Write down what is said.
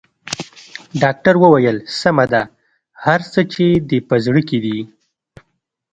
ډاکټر وويل سمه ده هر څه چې دې په زړه کې دي.